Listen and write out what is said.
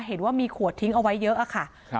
เห็นว่ามีขวดทิ้งเอาไว้เยอะอะค่ะ